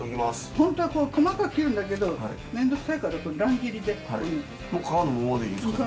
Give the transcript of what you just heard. ホントは細かく切るんだけど面倒臭いから乱切りで。